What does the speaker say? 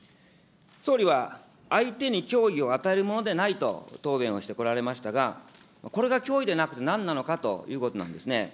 総理は相手に脅威を与えるものでないと答弁をしてこられましたが、これが脅威でなくてなんなのかということなんですね。